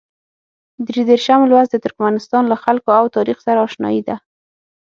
درې دېرشم لوست د ترکمنستان له خلکو او تاریخ سره اشنايي ده.